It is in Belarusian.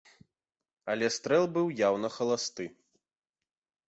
Але стрэл быў яўна халасты.